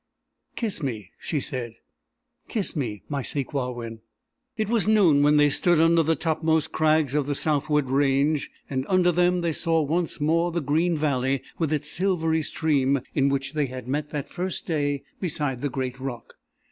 "Kiss me," she said. "Kiss me, my Sakewawin!" It was noon when they stood under the topmost crags of the southward range, and under them they saw once more the green valley, with its silvery stream, in which they had met that first day beside the great rock.